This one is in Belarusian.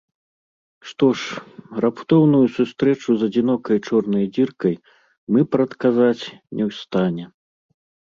Што ж, раптоўную сустрэчу з адзінокай чорнай дзіркай мы прадказаць не ў стане.